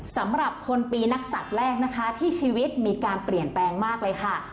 สำหรับคนปีนักศัตริย์แรกนะคะที่ชีวิตมีการเปลี่ยนแปลงมากเลยค่ะ